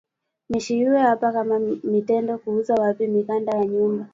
Mishiyue apa kama mitenda kuza wapi mikanda ya nyumba